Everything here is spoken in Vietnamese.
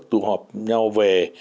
tụ họp nhau về